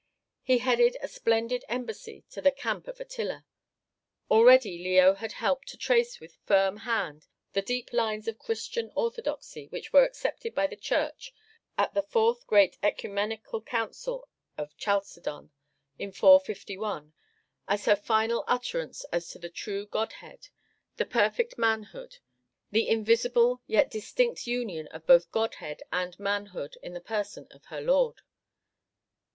He headed a splendid embassy to the camp of Attila. Already Leo had helped to trace with firm hand the deep lines of Christian orthodoxy which were accepted by the Church at the fourth great OEcumenical Council of Chalcedon in 451 as her final utterance as to the true Godhead, the perfect Manhood, the invisible yet distinct union of both Godhead and Manhood, in the person of her Lord.